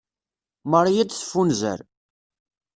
Marie ad teffunzer.